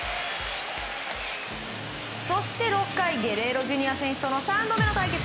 そして、６回ゲレーロＪｒ．選手との３度目の対決。